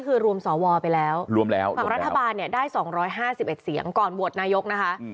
คือรวมสวไปแล้วรวมแล้วฝั่งรัฐบาลเนี่ยได้๒๕๑เสียงก่อนโหวตนายกนะคะ